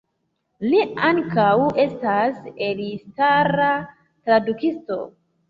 Li ankaŭ estas elstara tradukisto.